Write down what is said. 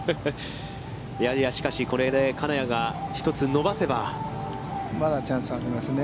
いやいや、しかしこれで金谷が１つ伸ばせばまだチャンスはありますね。